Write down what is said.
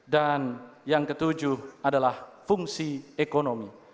dan yang ketujuh adalah fungsi ekonomi